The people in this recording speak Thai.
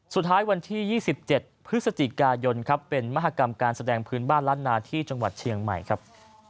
สุดท้ายวันที่๒๗พฤศจิกายนเป็นมหากรรมการแสดงพื้นบ้านลัดนาที่เฉียงใหม่ครับ